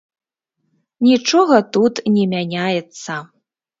Нічога тут не мяняецца.